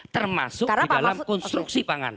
termasuk dalam konstruksi pangan